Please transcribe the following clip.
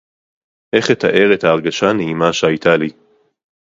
איך אתאר את ההרגשה הנעימה שהייתה לי